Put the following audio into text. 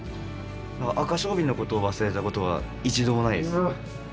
アカショウビンのことを忘れたことは一度もないです。